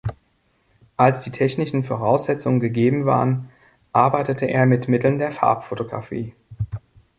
Als die technischen Voraussetzungen gegeben waren, arbeitete er mit Mitteln der Farbfotografie.